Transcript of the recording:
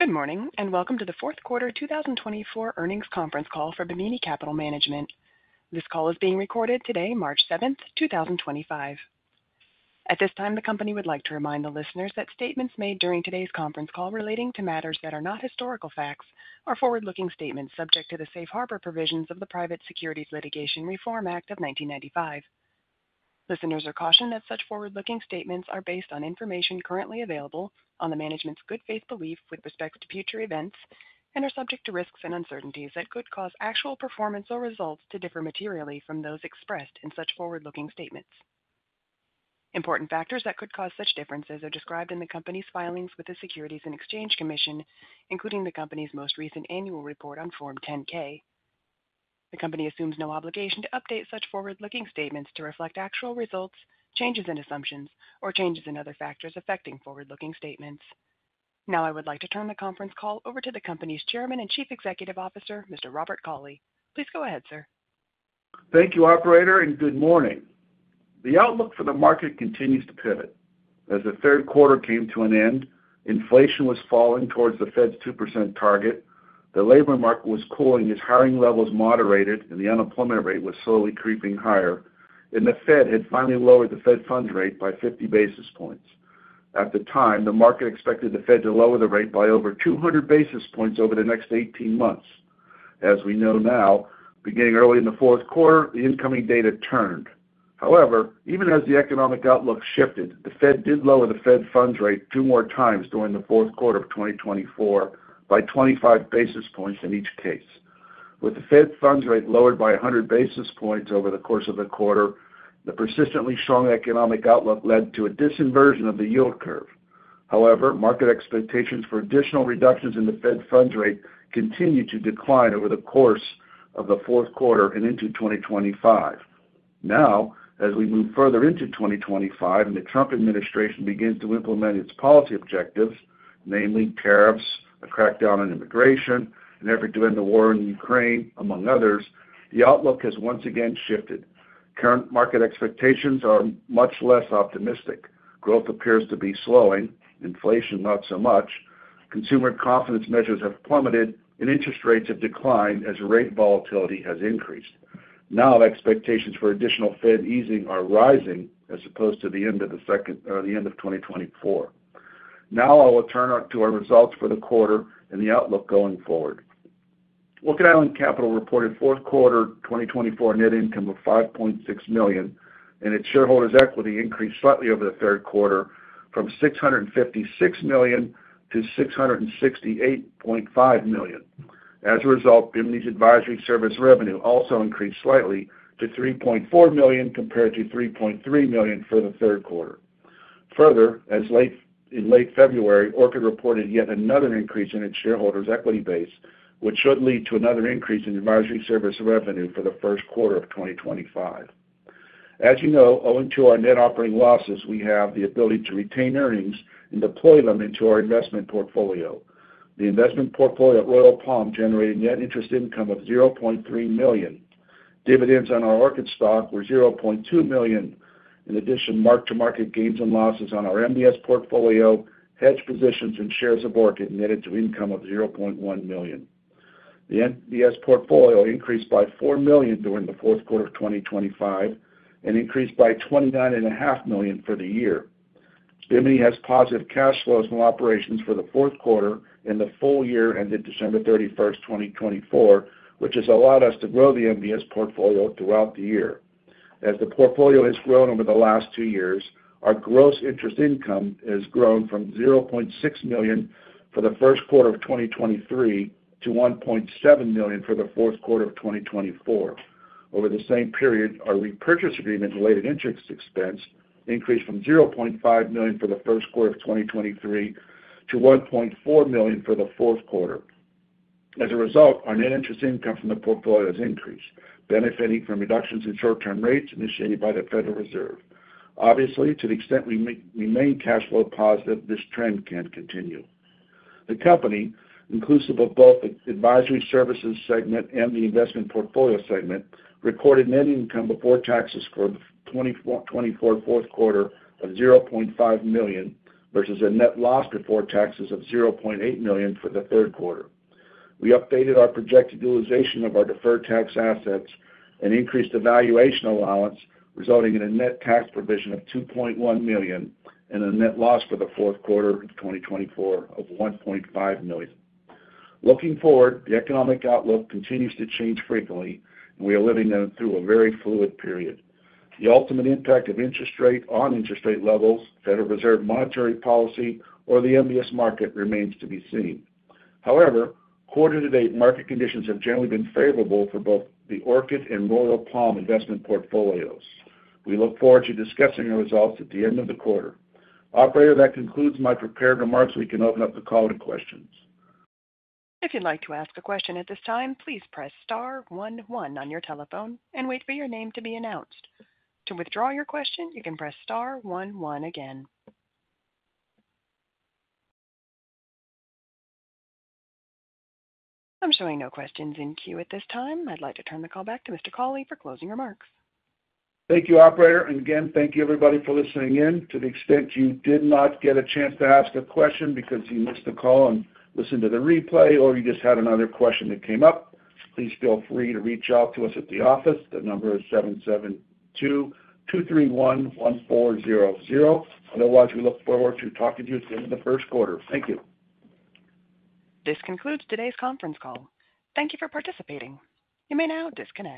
Good morning and welcome to the fourth quarter 2024 earnings conference call for Bimini Capital Management. This call is being recorded today, March 7th, 2025. At this time, the company would like to remind the listeners that statements made during today's conference call relating to matters that are not historical facts are forward-looking statements subject to the Safe Harbor provisions of the Private Securities Litigation Reform Act of 1995. Listeners are cautioned that such forward-looking statements are based on information currently available on the management's good faith belief with respect to future events and are subject to risks and uncertainties that could cause actual performance or results to differ materially from those expressed in such forward-looking statements. Important factors that could cause such differences are described in the company's filings with the Securities and Exchange Commission, including the company's most recent annual report on Form 10-K. The company assumes no obligation to update such forward-looking statements to reflect actual results, changes in assumptions, or changes in other factors affecting forward-looking statements. Now, I would like to turn the conference call over to the company's Chairman and Chief Executive Officer, Mr. Robert Cauley. Please go ahead, sir. Thank you, operator, and good morning. The outlook for the market continues to pivot. As the third quarter came to an end, inflation was falling towards the Fed's 2% target, the labor market was cooling as hiring levels moderated, and the unemployment rate was slowly creeping higher, and the Fed had finally lowered the Fed funds rate by 50 basis points. At the time, the market expected the Fed to lower the rate by over 200 basis points over the next 18 months. As we know now, beginning early in the fourth quarter, the incoming data turned. However, even as the economic outlook shifted, the Fed did lower the Fed funds rate two more times during the fourth quarter of 2024 by 25 basis points in each case. With the Fed funds rate lowered by 100 basis points over the course of the quarter, the persistently strong economic outlook led to a disinversion of the yield curve. However, market expectations for additional reductions in the Fed funds rate continued to decline over the course of the fourth quarter and into 2025. Now, as we move further into 2025 and the Trump administration begins to implement its policy objectives, namely tariffs, a crackdown on immigration, an effort to end the war in Ukraine, among others, the outlook has once again shifted. Current market expectations are much less optimistic. Growth appears to be slowing. Inflation, not so much. Consumer confidence measures have plummeted, and interest rates have declined as rate volatility has increased. Now, expectations for additional Fed easing are rising as opposed to the end of the second or the end of 2024. Now, I will turn to our results for the quarter and the outlook going forward. Orchid Island Capital reported fourth quarter 2024 net income of $5.6 million, and its shareholders' equity increased slightly over the third quarter from $656 million to $668.5 million. As a result, Bimini's advisory service revenue also increased slightly to $3.4 million compared to $3.3 million for the third quarter. Further, as late in late February, Orchid reported yet another increase in its shareholders' equity base, which should lead to another increase in advisory service revenue for the first quarter of 2025. As you know, owing to our net operating losses, we have the ability to retain earnings and deploy them into our investment portfolio. The investment portfolio at Royal Palm generated net interest income of $0.3 million. Dividends on our Orchid stock were $0.2 million. In addition, mark-to-market gains and losses on our MBS portfolio, hedge positions, and shares of Orchid netted to income of $0.1 million. The MBS portfolio increased by $4 million during the fourth quarter of 2025 and increased by $29.5 million for the year. Bimini has positive cash flows from operations for the fourth quarter and the full year ended December 31, 2024, which has allowed us to grow the MBS portfolio throughout the year. As the portfolio has grown over the last two years, our gross interest income has grown from $0.6 million for the first quarter of 2023 to $1.7 million for the fourth quarter of 2024. Over the same period, our repurchase agreement-related interest expense increased from $0.5 million for the first quarter of 2023 to $1.4 million for the fourth quarter. As a result, our net interest income from the portfolio has increased, benefiting from reductions in short-term rates initiated by the Federal Reserve. Obviously, to the extent we remain cash flow positive, this trend can continue. The company, inclusive of both the advisory services segment and the investment portfolio segment, recorded net income before taxes for the fourth quarter of $500,000 versus a net loss before taxes of $800,000 for the third quarter. We updated our projected utilization of our deferred tax assets and increased the valuation allowance, resulting in a net tax provision of $2.1 million and a net loss for the fourth quarter of 2024 of $1.5 million. Looking forward, the economic outlook continues to change frequently, and we are living through a very fluid period. The ultimate impact of interest rate on interest rate levels, Federal Reserve monetary policy, or the MBS market remains to be seen. However, quarter-to-date market conditions have generally been favorable for both the Orchid and Royal Palm investment portfolios. We look forward to discussing our results at the end of the quarter. Operator, that concludes my prepared remarks. We can open up the call to questions. If you'd like to ask a question at this time, please press star 11 on your telephone and wait for your name to be announced. To withdraw your question, you can press star 11 again. I'm showing no questions in queue at this time. I'd like to turn the call back to Mr. Cauley for closing remarks. Thank you, operator. Thank you, everybody, for listening in. To the extent you did not get a chance to ask a question because you missed the call and listened to the replay, or you just had another question that came up, please feel free to reach out to us at the office. The number is 772-231-1400. Otherwise, we look forward to talking to you at the end of the first quarter. Thank you. This concludes today's conference call. Thank you for participating. You may now disconnect.